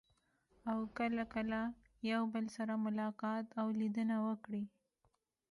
او کله کله یو بل سره ملاقات او لیدنه وکړي.